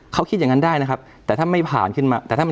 เขาคิดอย่างนั้นได้นะครับแต่ถ้าไม่ผ่านขึ้นมา